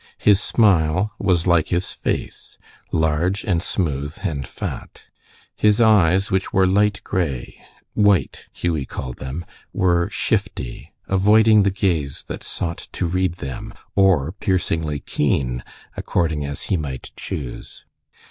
His smile was like his face, large, and smooth, and fat. His eyes, which were light gray white, Hughie called them were shifty, avoiding the gaze that sought to read them, or piercingly keen, according as he might choose.